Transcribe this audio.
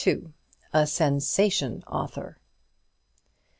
A SENSATION AUTHOR.